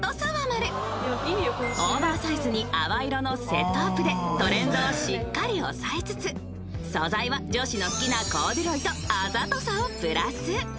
［オーバーサイズに淡色のセットアップでトレンドをしっかり押さえつつ素材は女子の好きなコーデュロイとあざとさをプラス］